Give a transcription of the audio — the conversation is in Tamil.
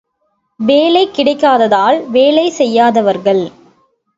வேலை கிடைக்காததால் வேலை செய்யாதவர்கள்.